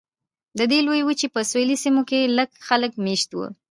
د دې لویې وچې په سویلي سیمو کې لږ خلک مېشت وو.